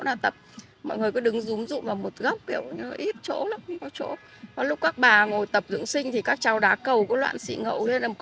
qua tìm hiểu của phóng viên để giải quyết được bức xúc của người dân